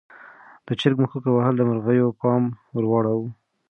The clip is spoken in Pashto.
د چرګې مښوکه وهل د مرغیو پام ور واړاوه.